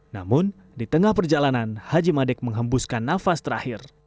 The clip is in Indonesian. namun di tengah perjalanan haji madek menghembuskan nafas terakhir